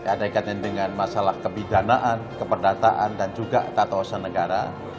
ada kaitannya dengan masalah kebidanaan keperdataan dan juga tata usaha negara